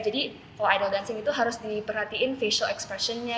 jadi kalau idol dancing itu harus diperhatiin facial expression nya